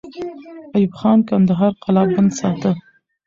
ایوب خان کندهار قلابند ساته.